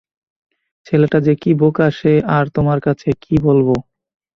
ছেলেটা যে কি বোকা সে আর তোমার কাছে কি বলবো।